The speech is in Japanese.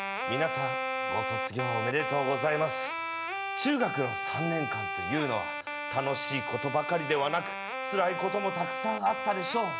中学の３年間というのは楽しいことばかりではなくつらいこともたくさんあったでしょう。